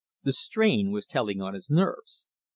The strain was telling on his nerves.